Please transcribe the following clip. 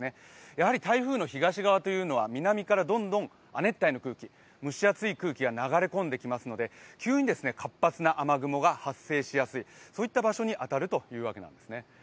やはり台風の東側というのは南から亜熱帯の空気、蒸し暑い空気が流れ込んできますので急に活発な雨雲が発生しやすい、そういった場所に当たるというわけなんですね。